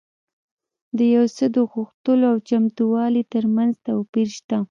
د يو څه د غوښتلو او چمتووالي ترمنځ توپير شته.